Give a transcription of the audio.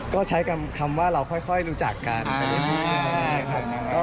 ก็ใช้คำว่าเราค่อยรู้จักกันง่ายครับ